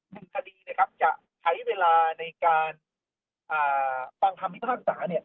หนึ่งคดีนะครับจะใช้เวลาในการฟังคำพิพากษาเนี่ย